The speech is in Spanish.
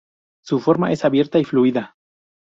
Su forma es abierta y fluida.